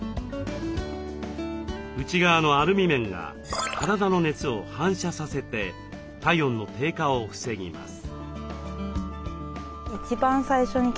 内側のアルミ面が体の熱を反射させて体温の低下を防ぎます。